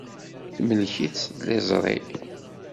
Temlek-itt tliẓri.